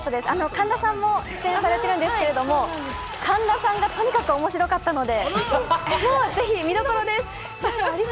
神田さんも出演されてるんですが、神田さんがとにかく面白かったので、今日はぜひ、見どころです。